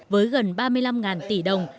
với gần ba mươi năm tỷ đồng